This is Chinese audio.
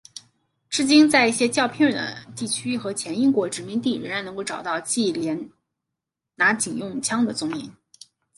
至今在一些较偏远地区和前英国殖民地仍然能够找到忌连拿警用枪的踪影。